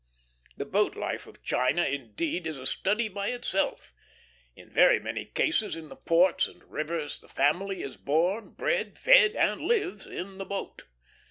The boat life of China, indeed, is a study by itself. In very many cases in the ports and rivers, the family is born, bred, fed, and lives in the boat.